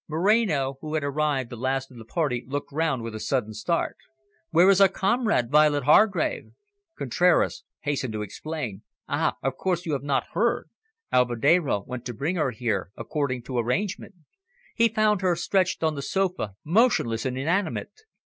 Moreno, who had arrived the last of the party, looked round with a sudden start. "Where is our comrade, Violet Hargrave?" Contraras hastened to explain. "Ah! of course you have not heard. Alvedero went to bring her here, according to arrangement. He found her stretched on the sofa, motionless and inanimate.